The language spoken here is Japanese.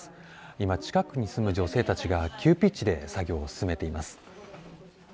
今、近くに住む女性たちが急ピッチで作業を進めています。